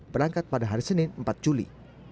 berangkat pada hari senin empat juli